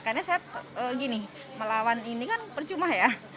karena saya gini melawan ini kan percuma ya